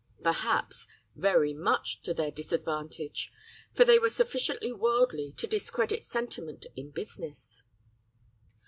Perhaps, very much to their disadvantage; for they were sufficiently worldly to discredit sentiment in business!